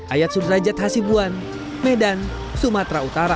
ayat sudrajat hasibuan medan sumatera utara